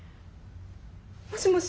もしもし？